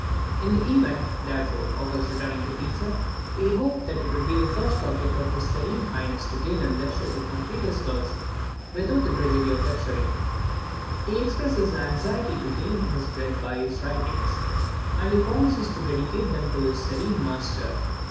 In the event, therefore, of his returning to Pisa, he hoped that it would be the first object of his serene highness to give him leisure to complete his works without the drudgery of lecturing. He expresses his anxiety to gain his bread by his writings, and he promises to dedicate them to his serene master.